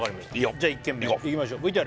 じゃあ１軒目いきましょうＶＴＲ